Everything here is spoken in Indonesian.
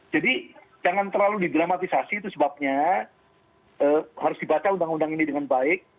jadi jangan terlalu didramatisasi itu sebabnya harus dibaca undang undang ini dengan baik